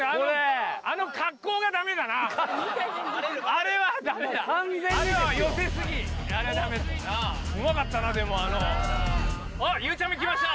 あれはダメだうまかったなでもあのあっゆうちゃみ来ました